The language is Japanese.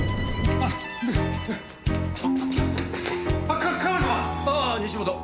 ああ西本。